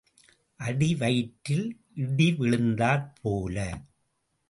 அடிவயிற்றில் இடி விழுந்தாற் போல.